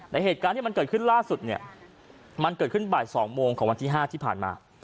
เหตุการณ์ที่มันเกิดขึ้นล่าสุดเนี่ยมันเกิดขึ้นบ่าย๒โมงของวันที่๕ที่ผ่านมา